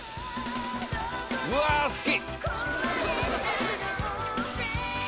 うわ好き！